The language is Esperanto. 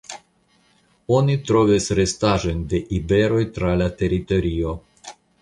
Oni trovis restaĵojn de iberoj tra la teritorio.